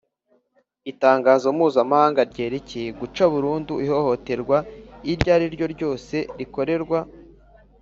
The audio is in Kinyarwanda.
Itangazo mpuzamahanga ryerekeye guca burundu ihohoterwa iryo ari ryo ryose rikorerwa